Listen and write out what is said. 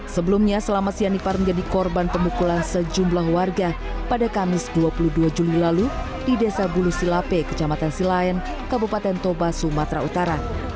sebelumnya selamat sianipar menjadi korban pemukulan sejumlah warga pada kamis dua puluh dua juli lalu di desa bulusilape kecamatan silayan kabupaten toba sumatera utara